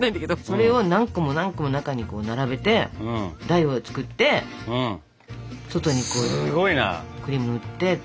それを何個も何個も中に並べて台を作って外にクリーム塗ってって。